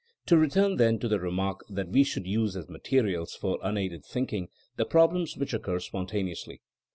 To return, then, to the remark that we should use as materials for unaided thinking the prob lems which occur spontaneously.